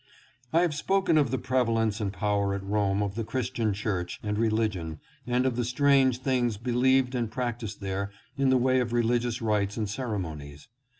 I have spoken of the prevalence and power at Rome of the Christian Church and religion and of the strange things believed and practiced there in the way of reli gious rites and ceremonies.